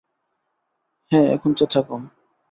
হ্যাঁ, এখন চেঁচা কম।